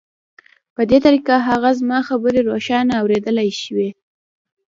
په دې طریقه هغه زما خبرې روښانه اورېدلای شوې